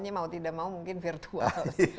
kalau tidak mau mungkin virtual sih